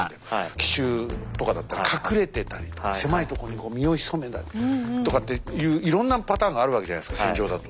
奇襲とかだったら隠れてたりとか狭いとこに身を潜めたりとかっていういろんなパターンがあるわけじゃないですか戦場だと。